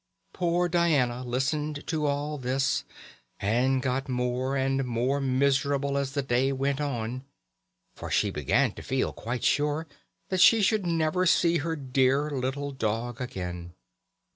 Poor Diana listened to all this, and got more and more miserable as the day went on, for she began to feel quite sure that she should never see her dear little dog again.